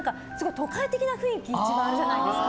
都会的な雰囲気があるじゃないですか。